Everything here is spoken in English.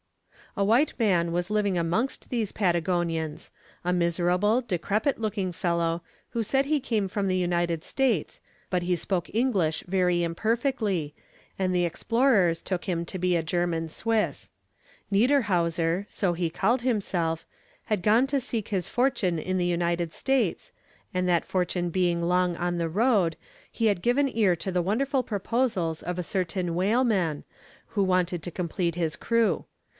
A white man was living amongst these Patagonians; a miserable, decrepit looking fellow, who said he came from the United States, but he spoke English very imperfectly, and the explorers took him to be a German Swiss. Niederhauser, so he called himself, had gone to seek his fortune in the United States, and that fortune being long on the road, he had given ear to the wonderful proposals of a certain whaleman, who wanted to complete his crew.